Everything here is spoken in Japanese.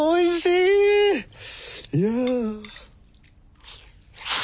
いや。